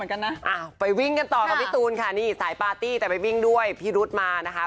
ไปวิ่งกันต่อกับพี่ตูนค่ะนี่สายปาร์ตี้แต่ไปวิ่งด้วยพี่รุ๊ดมานะคะ